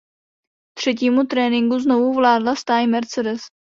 Třetímu tréninku znovu vládla stáj Mercedes.